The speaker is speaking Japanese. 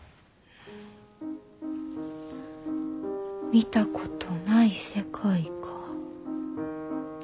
見たことない世界か。